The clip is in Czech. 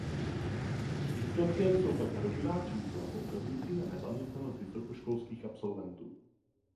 Výsledkem jsou pak hrozivá čísla poukazující na nezaměstnanost vysokoškolských absolventů.